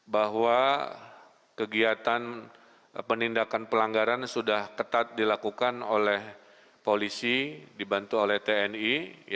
bahwa kegiatan penindakan pelanggaran sudah ketat dilakukan oleh polisi dibantu oleh tni